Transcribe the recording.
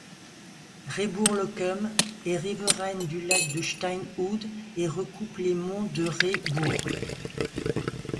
Rehburg-Loccum est riveraine du lac de Steinhude et recoupe les monts de Rehburg.